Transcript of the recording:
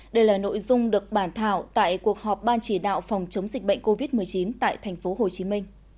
đây là nội dung được bản thảo tại cuộc họp ban chỉ đạo phòng chống dịch bệnh covid một mươi chín tại tp hcm